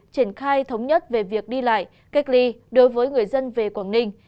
triển khai thống nhất về việc đi lại cách ly đối với người dân về quảng ninh